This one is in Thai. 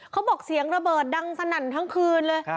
เขาบอกเสียงระเบิดดังสนั่นทั้งคืนเลย